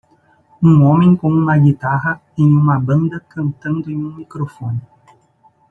um homem com uma guitarra em uma banda cantando em um microfone